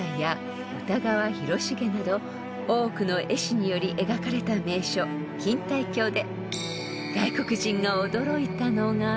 ［多くの絵師により描かれた名所錦帯橋で］